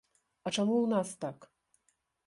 А чаму ў нас так?